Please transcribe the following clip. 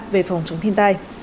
về phòng chống thiên tai